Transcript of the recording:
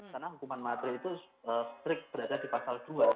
karena hukuman mati itu strik berada di pasal dua